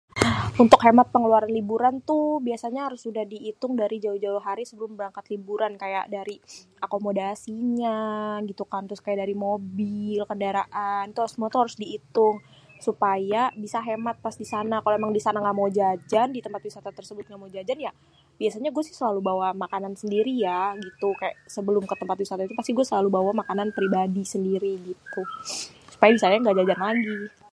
untuk hemat pengeluaran liburan tuh biasanya harus udah diitung dari jauh-jauh hari sebelum berangkat liburan kaya dari akomodasinya, gitukan terus kaya dari mobil kendaraan, itu harus smua harus di hitung supaya bisa hemat pas di sana. Kalo emang di sana engga mao jajan di tempat wisata tersebut gamao jajan ya, biasanya gua si selalu bawa makanan sendiri ya gitu ke sebelum ke tempat wisata sih gue selalu bawa makanan pribadi sendiri gitu, supaya di sana engga jajan lagi.